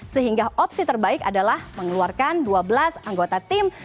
sehingga opsi terbaik adalah mengeluarkan dua belas anggota tim